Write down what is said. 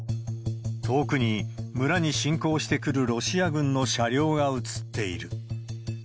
遠くに村に侵攻してくるロシア軍の車両が映っている。